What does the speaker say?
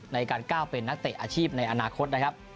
ในการก้าวเป็นนักเตะอาชีพในอนาคตนะครับ